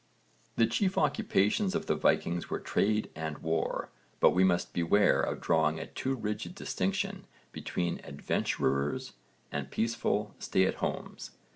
The chief occupations of the Vikings were trade and war, but we must beware of drawing a too rigid distinction between adventurers and peaceful stay at homes.